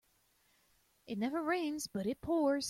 It never rains but it pours.